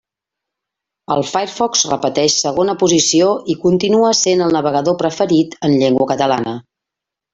El Firefox repeteix segona posició, i continua sent el navegador preferit en llengua catalana.